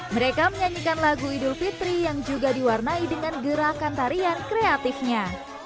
mereka menyanyikan lagu idul fitri yang juga diwarnai dengan gerakan tarian kreatifnya